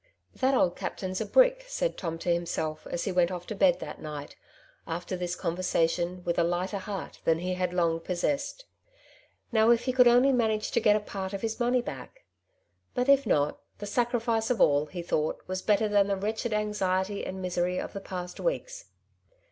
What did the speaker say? " That old captain's a brick," said Tom to himself Tom's A dvice, 157 as lie went off to bed that night, after this conversa tion, with a lighter heart than he had long possessed. Now, if he could only manage to get a part of his money back! But if not, the sacrifice of all, he thought, was better than the wretched anxiety and misery of the past weeks.